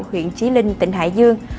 huyện trí linh tỉnh hải dương